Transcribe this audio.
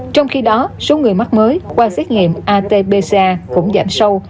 trong khi đó số người mắc mới qua xét nghiệm at pca cũng giảm sâu